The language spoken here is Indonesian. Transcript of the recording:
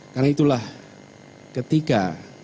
karena itulah ketika